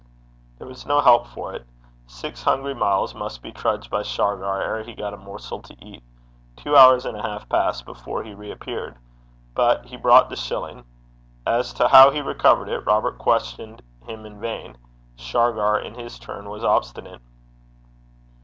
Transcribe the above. There was no help for it. Six hungry miles must be trudged by Shargar ere he got a morsel to eat. Two hours and a half passed before he reappeared. But he brought the shilling. As to how he recovered it, Robert questioned him in vain. Shargar, in his turn, was obstinate.